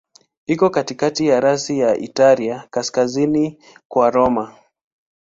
Iko katikati ya rasi ya Italia, kaskazini kwa Roma.